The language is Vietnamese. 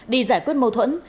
đi giải quyết mâu thuẫn